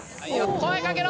声かけろ！